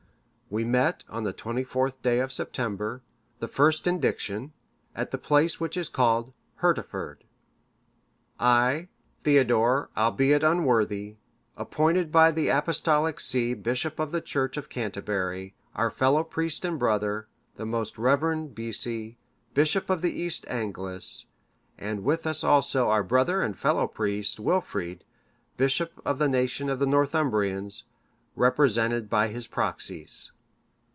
We met on the 24th day of September, the first indiction,(565) at the place which is called Herutford: I, Theodore, albeit unworthy, appointed by the Apostolic see bishop of the church of Canterbury; our fellow priest and brother, the most reverend Bisi, bishop of the East Angles; and with us also our brother and fellow priest, Wilfrid, bishop of the nation of the Northumbrians, represented by his proxies.